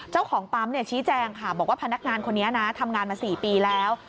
เจ้าของปั๊มชี้แจงค่ะบอกว่าพนักงานคนนี้นะทำงานมา๔ปีแล้ว